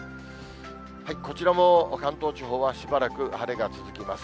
こちらも関東地方はしばらく晴れが続きます。